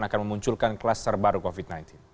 akan memunculkan kluster baru covid sembilan belas